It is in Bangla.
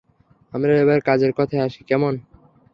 আমরা এবার কাজের কথায় আসি, কেমন?